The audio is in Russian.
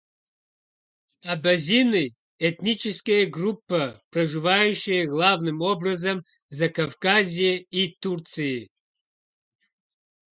Абазины - этническая группа, проживающая главным образом в Закавказье и Турции.